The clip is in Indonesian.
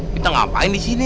kita ngapain di sini